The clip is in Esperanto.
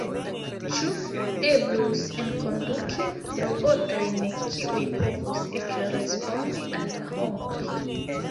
Ĉu eblus enkonduki robotojn, kiuj povus ekrespondi al la homoj?